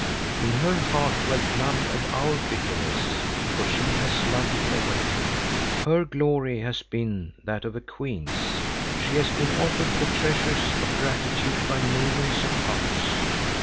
In her heart dwelt none of our bitterness, for she has loved it away. Her glory has been that of a queen's. She has been offered the treasures of gratitude by millions of hearts.